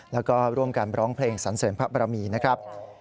แล้วก็ร่วมกันร้องเพลงสันเสริมพระบรมีนะครับ